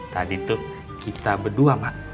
tadi tuh kita berdua mbak